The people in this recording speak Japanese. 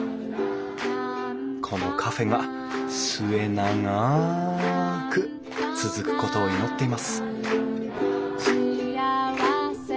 このカフェが末永く続くことを祈っています